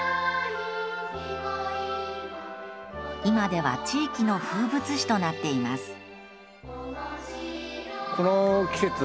今では地域の風物詩となっています。